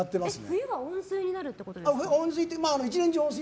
冬は温水になるということですか。